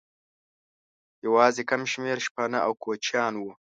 یوازې کم شمېر شپانه او کوچیان وو.